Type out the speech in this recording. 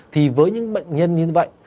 thì với những bệnh nhân như vậy